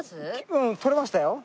うん撮れましたよ。